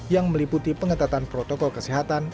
yang meliputi pengetatan protokol kesehatan